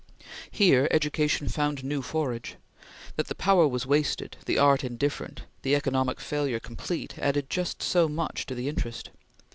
Here education found new forage. That the power was wasted, the art indifferent, the economic failure complete, added just so much to the interest.